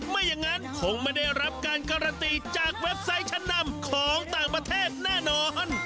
ไม่อย่างนั้นคงไม่ได้รับการการันตีจากเว็บไซต์ชั้นนำของต่างประเทศแน่นอน